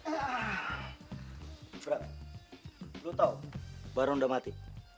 bram lu tau baron udah mati